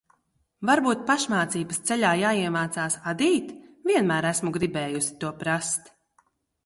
Varbūt pašmācības ceļā jāiemācās adīt? Vienmēr esmu gribējusi to prast.